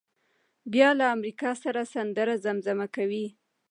بیا له امریکا سره سندره زمزمه کوي.